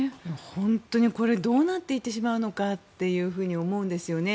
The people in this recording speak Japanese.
本当にどうなっていってしまうのかと思うんですよね。